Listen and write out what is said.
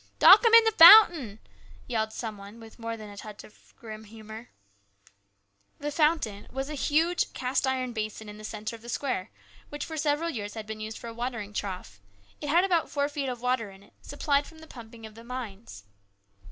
"Duck 'em in the fountain!" yelled some one with more than a touch of grim humour. The " fountain " was a huge, cast iron basin in the centre of the square, which for several years had been used for a watering trough. It had about four feet of water in it, supplied from the pumping e>f the mines.